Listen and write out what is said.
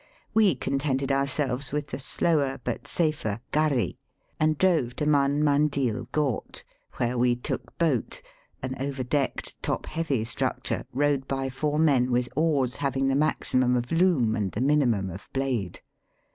We contented ourselves with the slower but safer ^'gharry," and drove to Man Mandil ghat, where we took boat, an over decked top heavy structure rowed by four men with oars having the maximum of loom and the minimum of blade.